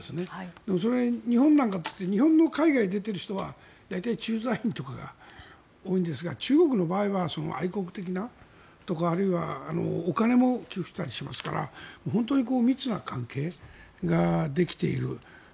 それは日本なんかだって日本の海外に出ている人は大隊、駐在員とかが多いんですが中国の場合は愛国的なとかあるいはお金も寄付したりしますから本当に密な関係ができている。